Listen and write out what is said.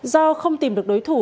do không tìm được đối thủ